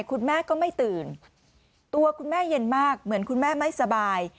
คุณแม่ก็ไม่ตื่นตัวคุณแม่เย็นมากเหมือนคุณแม่ไม่สบาย